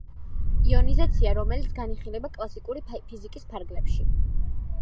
იონიზაცია რომელიც განიხილება კლასიკური ფიზიკის ფარგლებში.